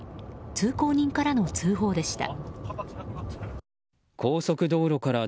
通行人からの通報でした。